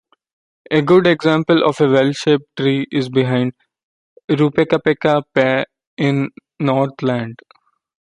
A good example of a well-shaped tree is behind Ruapekapeka Pa in Northland.